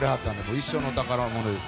一生の宝物です。